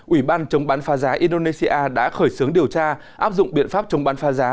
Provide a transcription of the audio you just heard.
ủy ban chống bán pha giá indonesia đã khởi xướng điều tra áp dụng biện pháp chống bán pha giá